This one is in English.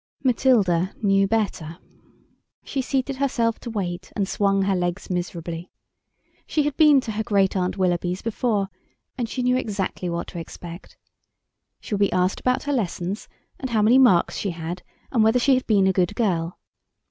Matilda knew better. She seated herself to wait, and swung her legs miserably. She had been to her Great aunt Willoughby's before, and she knew exactly what to expect. She would be asked about her lessons, and how many marks she had, and whether she had been a good girl.